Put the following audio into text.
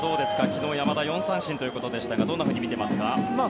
昨日、山田４三振ということでしたがどんなふうに見ていますか？